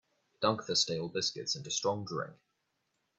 Dunk the stale biscuits into strong drink.